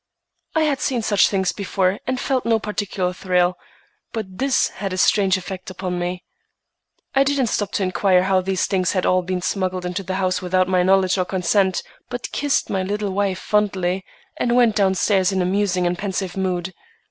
I had seen such things before and felt no particular thrill, but this had a strange effect upon me. I didn't stop to inquire how these things had all been smuggled into the house without my knowledge or consent, but kissed my little wife fondly, and went down stairs in a musing and pensive mood.